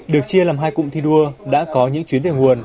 được chia làm hai cụm thi đua đã có những chuyến về nguồn